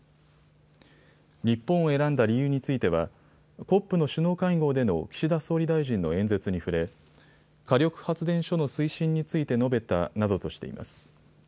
日本を選んだ理由についてはＣＯＰの首脳会合での岸田総理大臣の演説に触れ、火力発電所の推進について述べたなどとしています。